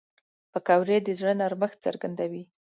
پکورې د زړه نرمښت څرګندوي